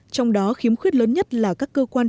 trong đó khiếm khuyết lớn nhất là các cơ quan chủ yếu